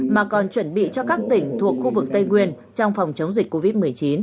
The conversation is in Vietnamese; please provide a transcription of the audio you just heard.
mà còn chuẩn bị cho các tỉnh thuộc khu vực tây nguyên trong phòng chống dịch covid một mươi chín